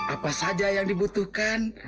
apa saja yang dibutuhkan